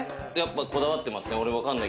こだわってますね。